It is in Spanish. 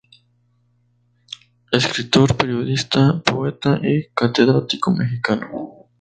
Escritor, periodista, poeta y catedrático mexicano.